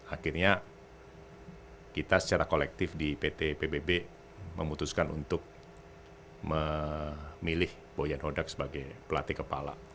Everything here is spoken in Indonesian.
akhirnya kita secara kolektif di pt pbb memutuskan untuk memilih boyan hodak sebagai pelatih kepala